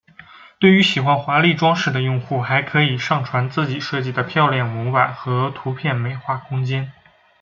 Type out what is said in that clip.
对于喜欢华丽装饰的用户还可以上传自己设计的漂亮模板和图片美化空间。